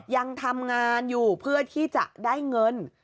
ยังทำงานอยู่เพื่อที่จะได้เงิน